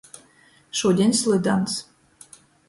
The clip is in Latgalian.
Šudiņ slydons.